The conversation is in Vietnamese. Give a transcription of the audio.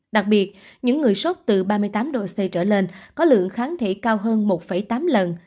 đặc biệt những người sốt từ ba mươi tám độ c trở lên có lượng kháng thể cao hơn một tám lần